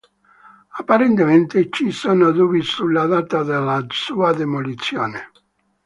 Apparentemente ci sono dubbi sulla data della sua demolizione.